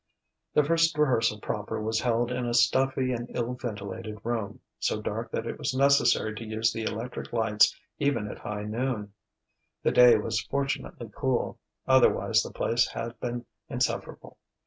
The first rehearsal proper was held in a stuffy and ill ventilated room, so dark that it was necessary to use the electric lights even at high noon. The day was fortunately cool, otherwise the place had been insufferable.